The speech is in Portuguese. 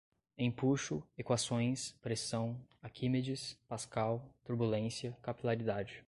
Empuxo, equações, pressão, Aquimedes, Pascal, turbulência, capilaridade